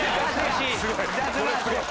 すごい。